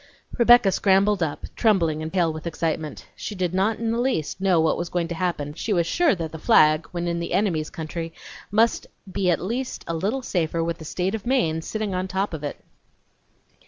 Rebecca scrambled up, trembling and pale with excitement. She did not in the least know what was going to happen, but she was sure that the flag, when in the enemy's country, must be at least a little safer with the State of Maine sitting on top of it!